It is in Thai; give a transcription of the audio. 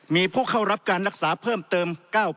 มีผู้เข้ารับการรักษาเพิ่มเติม๙คน